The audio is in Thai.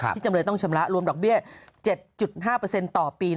ที่จำเลยต้องชำระรวมดอกเบี้ย๗๕เปอร์เซ็นต์ต่อปี